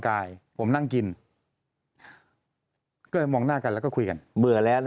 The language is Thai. ก็ถึงเห็นกับตัวเอง